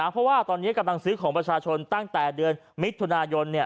เพราะว่าตอนนี้กำลังซื้อของประชาชนตั้งแต่เดือนมิถุนายน